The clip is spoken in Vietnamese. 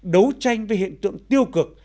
đấu tranh với hiện tượng tiêu cực